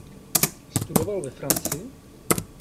Studoval ve Francii.